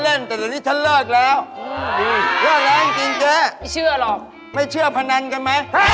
ลองกันหน่อยไหม